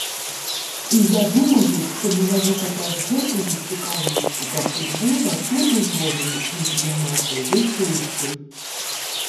І я думаю, што менавіта праз гэтую цікаўнасць да футбола тут узровень чэмпіянату вышэйшы.